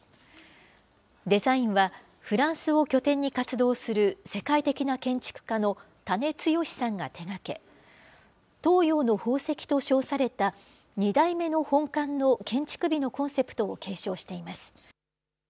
デザインは、フランスを拠点に活動する世界的な建築家の田根剛さんが手がけ、東洋の宝石と称された２代目の本館の建築美のコンセプトを継承しています。